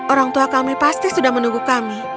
orang tua kami pasti sudah menunggu kami